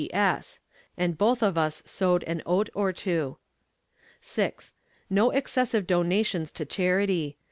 T.S. And both of us sowed an oat or two. 6. No excessive donations to charity.